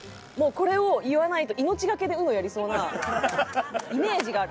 これを言わないと命懸けでＵＮＯやりそうなイメージがある。